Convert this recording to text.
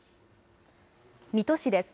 水戸市です。